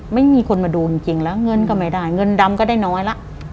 ไม่มีคนมาดูจริงแล้วเงินก็ไม่ได้เงินดำก็ได้น้อยละ